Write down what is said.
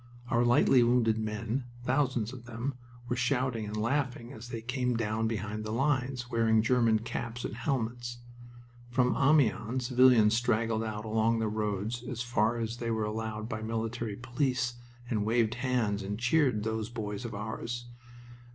Our lightly wounded men, thousands of them, were shouting and laughing as they came down behind the lines, wearing German caps and helmets. From Amiens civilians straggled out along the roads as far as they were allowed by military police, and waved hands and cheered those boys of ours.